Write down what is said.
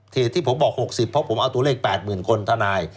ที่ผมบอก๖๐เพราะผมเอาตัวเลข๘๐๐๐คนทนาย